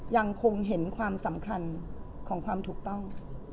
ยังคงเห็นความสำคัญของความถูกต้อง